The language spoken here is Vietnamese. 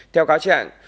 theo cáo trạng